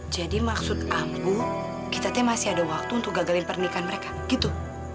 jadi maksud abu kita masih ada waktu untuk gagalin pernikahan mereka gitu